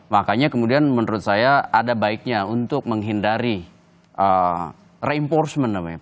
makanya kemudian menurut saya ada baiknya untuk menghindari rainforcement namanya